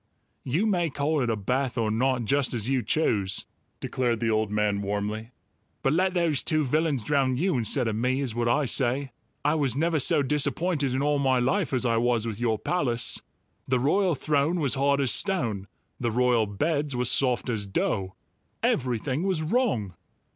"You may call it a bath or not, just as you choose," declared the old man warmly, "but let those two villains drown you instead of me, is what I say! I was never so disappointed in all my life as I was with your palace. The royal throne was hard as stone; the royal beds were soft as dough; everything was wrong."